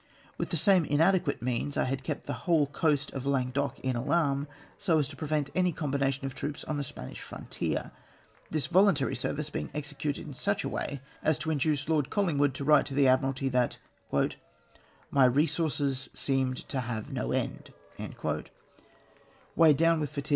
With the same in adequate means I had kept the whole coast of Laii guedoc in alarm, so as to prevent any combination of troops on the Spanish frontier, this voluntary service being executed in such a way as to induce Lord Col lingwood to write to the Admiralty, that " my resources seemed to have no encV Weio hed down with fati£!